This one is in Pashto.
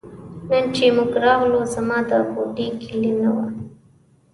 نن چې موږ راغلو زما د کوټې کیلي نه وه.